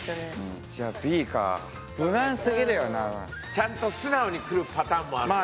ちゃんと素直にくるパターンもあるから。